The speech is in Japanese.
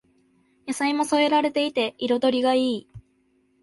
野菜も添えられていて彩りがいい